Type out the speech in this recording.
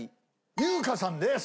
優香さんです。